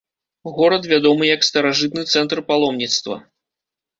Горад вядомы як старажытны цэнтр паломніцтва.